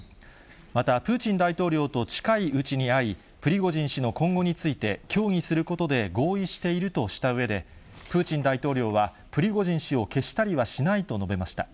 また、プーチン大統領と近いうちに会い、プリゴジン氏の今後について協議することで合意しているとしたうえで、プーチン大統領はプリゴジン氏を消したりはしないと述べました。